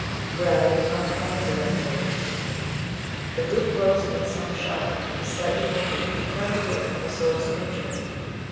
Gravity is not the only directive agency. The root grows against some shard, is slightly wounded, and turns away from the source of injury.